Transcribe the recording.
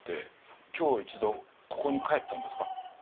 今日一度ここに帰ったんですか？